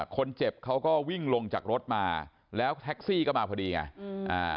คนเจ็บเขาก็วิ่งลงจากรถมาแล้วแท็กซี่ก็มาพอดีไงอืมอ่า